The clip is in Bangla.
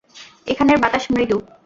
এখানের বাতাস মৃদু।